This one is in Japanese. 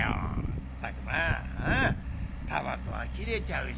まったくまあタバコは切れちゃうしま